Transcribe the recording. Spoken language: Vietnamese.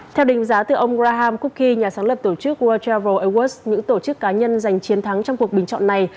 theo đánh giá từ ông graham kuki nhà sáng lập tổ chức world travel awards những tổ chức cá nhân giành chiến thắng trong cuộc bình chọn này